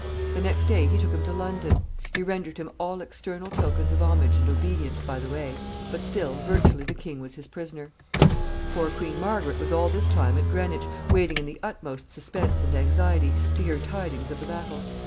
The next day he took him to London. He rendered him all external tokens of homage and obedience by the way, but still virtually the king was his prisoner. [Sidenote: Margaret's despair.] Poor Queen Margaret was all this time at Greenwich, waiting in the utmost suspense and anxiety to hear tidings of the battle.